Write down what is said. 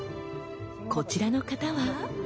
こちらの方は。